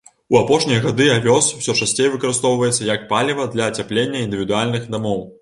У апошнія гады авёс усё часцей выкарыстоўваецца як паліва для ацяплення індывідуальных дамоў.